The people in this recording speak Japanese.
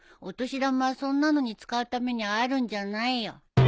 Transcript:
お年玉はそんなのに使うためにあるんじゃないよ。